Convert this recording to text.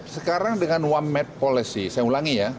sekarang dengan one map policy saya ulangi ya